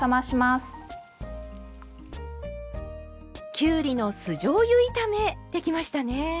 きゅうりの酢じょうゆ炒めできましたね。